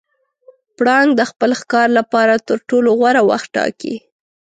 پړانګ د خپل ښکار لپاره تر ټولو غوره وخت ټاکي.